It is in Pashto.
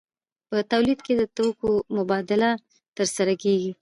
په تولید کې د توکو مبادله ترسره کیږي.